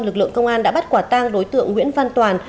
lực lượng công an đã bắt quả tang đối tượng nguyễn văn toàn